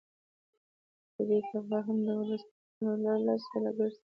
په دې طبقه هم دولس ټنه رولر لس ځله ګرځي